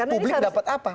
publik dapat apa